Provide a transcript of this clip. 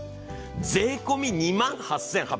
税込み２万８８００円。